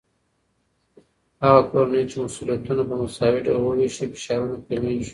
هغه کورنۍ چې مسؤليتونه په مساوي ډول وويشي، فشارونه کمېږي.